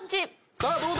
さぁどうだ？